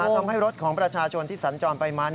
ทำให้รถของประชาชนที่สัญจรไปมา